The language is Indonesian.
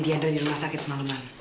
kamu nemenin dian dari rumah sakit semalam